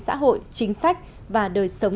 xã hội chính sách và đời sống